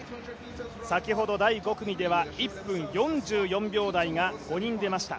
先ほど第５組では１分４４秒台が５人出ました。